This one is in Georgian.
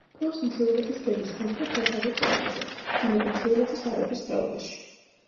მდებარეობს მთიულეთის ქედის სამხრეთ-დასავლეთ კალთაზე, მდინარე მთიულეთის არაგვის ხეობაში.